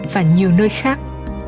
và nhiều nơi khác